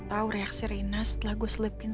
tahu reaksi reina setelah gue selepin